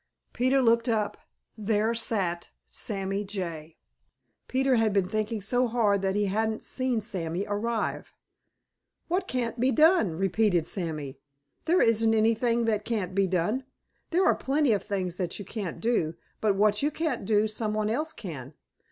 Peter looked up. There sat Sammy Jay. Peter had been thinking so hard that he hadn't seen Sammy arrive. "What can't be done?" repeated Sammy. "There isn't anything that can't be done. There are plenty of things that you can't do, but what you can't do some one else can.